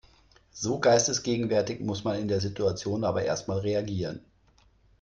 So geistesgegenwärtig muss man in der Situation aber erst mal reagieren.